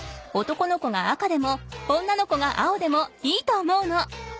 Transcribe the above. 男の子が赤でも女の子が青でもいいと思うの。